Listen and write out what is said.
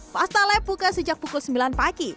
pasta lab buka sejak pukul sembilan pagi